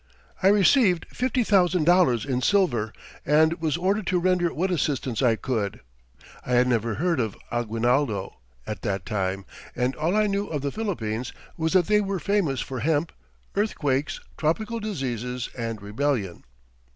I received fifty thousand dollars in silver and was ordered to render what assistance I could. I had never heard of Aguinaldo at that time, and all I knew of the Philippines was that they were famous for hemp, earthquakes, tropical diseases and rebellion.